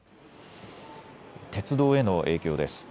鉄道への影響です。